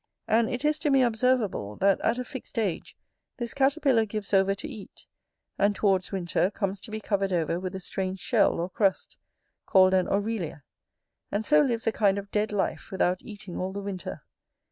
And it is to me observable, that at a fixed age this caterpillar gives over to eat, and towards winter comes to be covered over with a strange shell or crust, called an aurelia; and so lives a kind of dead life, without eating all the winter.